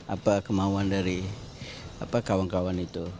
apa kemauan dari kawan kawan itu